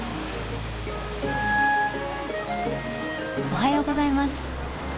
おはようございます。